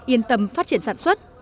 yên tâm phát triển sản xuất